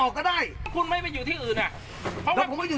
ออกก็ได้คุณไม่ไปอยู่ที่อื่นอ่ะเดี๋ยวผมไม่อยู่